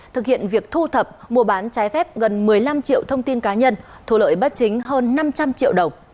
thực hiện việc thu thập mua bán trái phép gần một mươi năm triệu thông tin cá nhân thu lợi bất chính hơn năm trăm linh triệu đồng